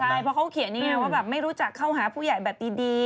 ใช่เพราะเขาเขียนนี่ไงว่าแบบไม่รู้จักเข้าหาผู้ใหญ่แบบดี